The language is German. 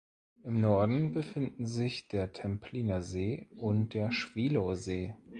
Im Norden befinden sich der Templiner See und der Schwielowsee.